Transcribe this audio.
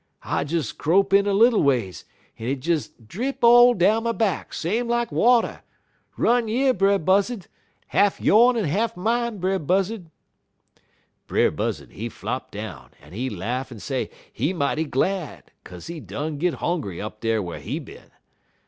I des crope in a little ways, en it des drip all down my back, same like water. Run yer, Brer Buzzud! Half yone en half mine, Brer Buzzud!' "Brer Buzzud, he flop down, en he laugh en say he mighty glad, kaze he done git hongry up dar whar he bin.